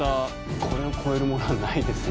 これを超えるものはないですね。